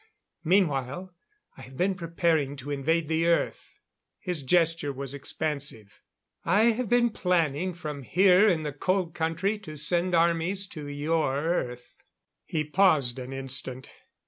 Meanwhile, I have been preparing to invade the Earth." His gesture was expansive. "I have been planning, from here in the Cold Country, to send armies to your Earth." He paused an instant.